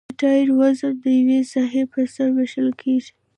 د ټایر وزن د یوې ساحې په سر ویشل کیږي